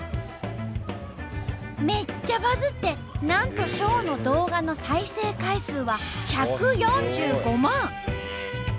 めっちゃバズってなんとショーの動画の再生回数は１４５万！